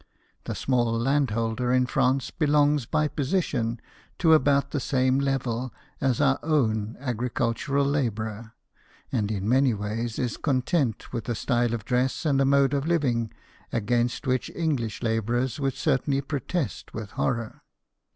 The small landholder in France belongs by position to about the same level as our own agricultural labourer, and in many ways is content with a style of dress and a mode of living against which English labourers would certainly protest with horror.